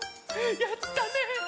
やったね！